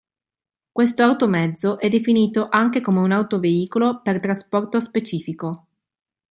Questo automezzo è definito anche come un autoveicolo per trasporto specifico.